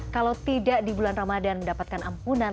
kalau tidak di bulan ramadan mendapatkan ampunan